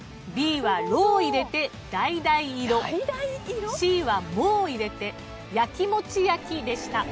Ｂは「ろ」を入れて「だいだいいろ」Ｃは「も」を入れて「やきもちやき」でした。